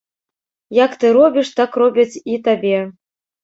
Як ты робіш, так робяць і табе.